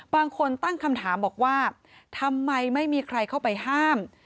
บางคนตั้งคำถามบอกว่าทำไมไม่มีใครเข้าไปห้าม